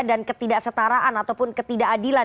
dan ketidaksetaraan ataupun ketidakadilan